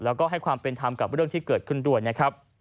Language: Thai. แล้วก็ให้ความเป็นธรรมกับเรื่องที่เกิดขึ้นด้วยนะครับ